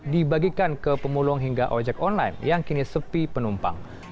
dibagikan ke pemulung hingga ojek online yang kini sepi penumpang